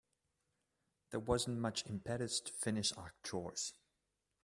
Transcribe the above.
There wasn't much impetus to finish our chores.